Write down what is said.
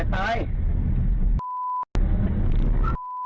แม่ง